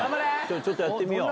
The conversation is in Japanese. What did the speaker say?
ちょっとやってみよう。